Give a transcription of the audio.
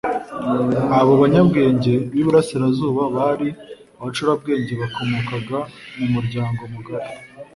Abo banyabwenge b'iburasirazuba bari abacurabwenge bakomokaga mu muryango mugari